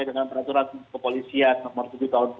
dengan peraturan kepolisian nomor tujuh tahun dua ribu